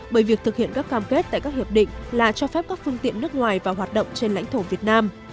bởi việc thực hiện các cam kết tại các hiệp định là cho phép các phương tiện nước ngoài vào hoạt động trên lãnh thổ việt nam